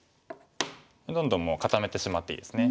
どんどんもう固めてしまっていいですね。